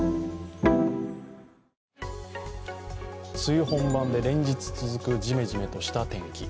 梅雨本番で連日続くじめじめとした天気。